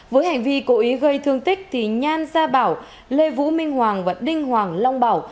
với hành vi cố ý gây thương tích thì nhan gia bảo lê vũ minh hoàng và đinh hoàng long bảo